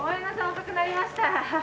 遅くなりました。